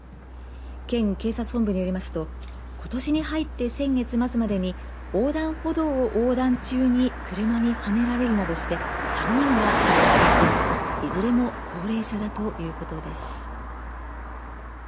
県警察本部によりますとことしに入って先月末までに横断歩道を横断中に車にはねられるなどして３人が死亡していて、いずれも高齢者だということです。